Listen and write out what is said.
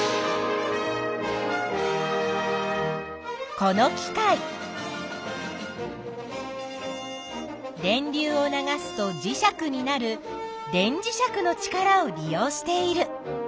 この機械電流を流すと磁石になる電磁石の力を利用している。